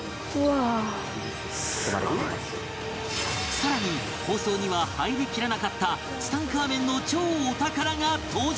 さらに放送には入りきらなかったツタンカーメンの超お宝が登場！